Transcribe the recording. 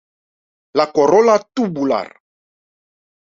La corola tubular.